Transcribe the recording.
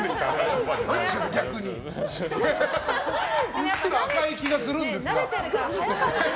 うっすら赤い気がするんですけど。